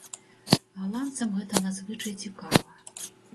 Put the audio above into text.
Галандцам гэта надзвычай цікава.